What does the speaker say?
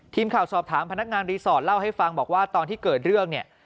ทีมข่าวสอบถามพนักงานรีสอร์ทเล่าให้ฟังบอกว่าตอนที่เกิดเรื่องเนี่ย